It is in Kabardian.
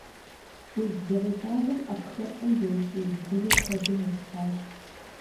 Уз зэрыцӀалэм Ӏэпкълъэпкъым зэрыщиубгъуныр куэдым елъытащ.